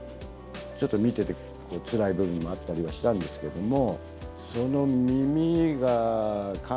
見ててつらい部分もあったりはしたんですけども。